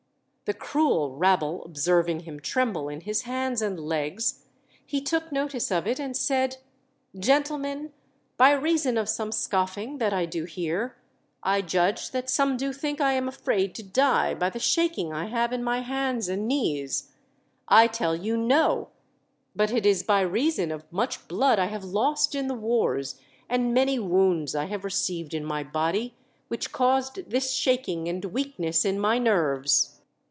The cruel rabble observing him tremble in his hands and legs, he took notice of it, and said, "Gentlemen, by reason of some scoffing that I do hear, I judge that some do think I am afraid to die by the shaking I have in my hands and knees. I tell you No; but it is by reason of much blood I have lost in the wars, and many wounds I have received in my body, which caused this shaking and weakness in my nerves.